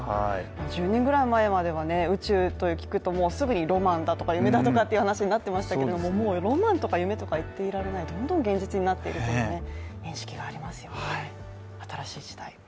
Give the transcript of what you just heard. １０年ぐらい前までは宇宙と聞くと、すぐにロマンだとか夢だとかっていう話になってましたけどもうロマンとか夢とか言っていられない、どんどん現実になっているという認識がありますね、新しい時代。